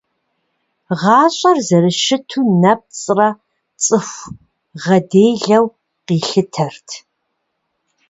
Гъащӏэр зэрыщыту нэпцӏрэ цӏыху гъэделэу къилъытэрт.